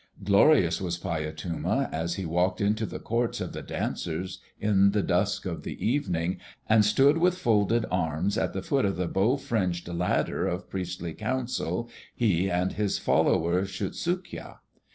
Glorious was Paiyatuma, as he walked into the courts of the dancers in the dusk of the evening and stood with folded arms at the foot of the bow fringed ladder of priestly council, he and his follower Shutsukya.